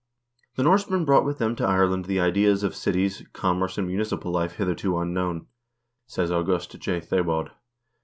l "The Norsemen brought with them to Ireland the ideas of cities, commerce, and municipal life hitherto unknown," says Aug. J. Thebaud.